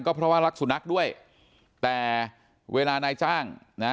เพราะว่ารักสุนัขด้วยแต่เวลานายจ้างนะ